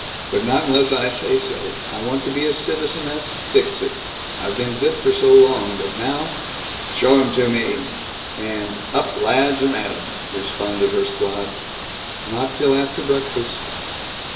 "But not unless I say so. I want to be a Citizeness Fixit. I've been good for so long. But now " "Show him to me!" and "Up, lads, and atum!" responded her squad. "Not till after breakfast."